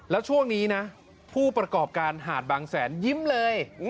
แล้วช่วงนี้นะผู้ประกอบการหาดบางแสนยิ้มเลย